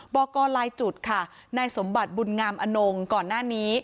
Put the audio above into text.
บอกกรลายจุดค่ะนายสมบัติบุญงามอนงก่อนหน้านี้